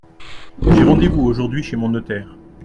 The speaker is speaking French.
J’ai rendez-vous aujourd’hui chez mon notaire.